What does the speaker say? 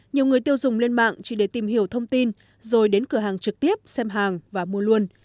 nhiều người tiêu dùng lên mạng chỉ để tìm hiểu thông tin rồi đến cửa hàng trực tiếp xem hàng và mua luôn